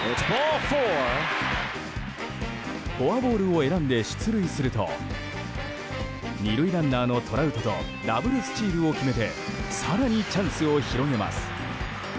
フォアボールを選んで出塁すると２塁ランナーのトラウトとダブルスチールを決めて更にチャンスを広げます。